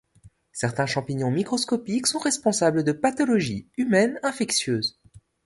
Certains champignons microscopiques sont responsables de pathologies humaines infectieuses.